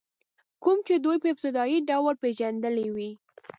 کوم چې دوی په ابتدایي ډول پېژندلي وي.